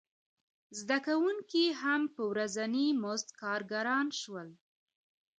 زده کوونکي هم په ورځیني مزد کارګران شول.